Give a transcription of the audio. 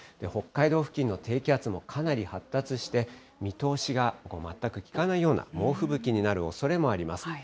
北海道付近の低気圧もかなり発達して、見通しが全く利かないような猛吹雪になるおそれもあります。